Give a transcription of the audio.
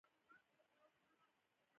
موزیک د اوسني حال عکس دی.